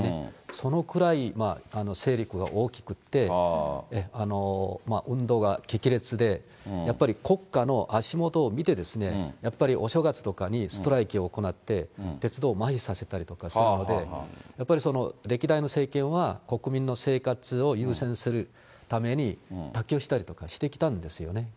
そのくらい、勢力が大きくって、運動が激烈で、やっぱり国家の足元を見て、やっぱりお正月とかにストライキを行って、鉄道をまひさせたりとかするので、やっぱり歴代の政権は、国民の生活を優先するために、妥協したりとかしてきたんですよね。